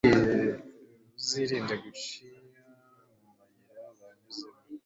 uzirinde guca mu mayira banyuzemo